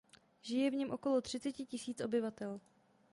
Žije v něm okolo třiceti tisíc obyvatel.